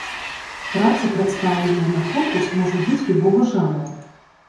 Праца, прадстаўленая на конкурс, можа быць любога жанру.